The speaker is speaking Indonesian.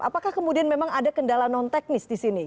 apakah kemudian memang ada kendala non teknis disini